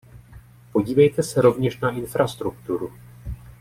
Podívejte se rovněž na infrastrukturu.